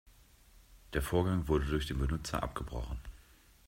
Der Vorgang wurde durch den Benutzer abgebrochen.